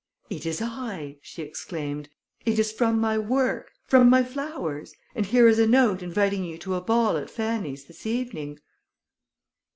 "It is I!" she exclaimed. "It is from my work from my flowers; and here is a note inviting you to a ball at Fanny's this evening."